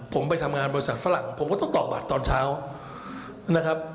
ผมไปทำงานบริษัทฝรั่งผมก็ต้องตอบบัตรตอนเช้านะครับ